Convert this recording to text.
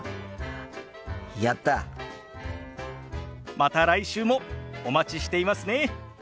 また来週もお待ちしていますね。